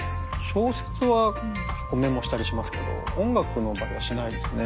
小説は結構メモしたりしますけど音楽の場合はしないですね。